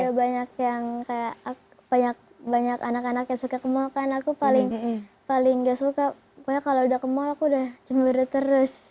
ya banyak yang kayak banyak anak anak yang suka ke mall kan aku paling gak suka pokoknya kalau udah ke mall aku udah cembira terus